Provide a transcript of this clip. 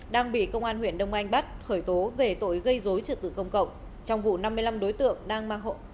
đang bị công an huyện đông anh bắt khởi tố về tội gây dối trực tự công cộng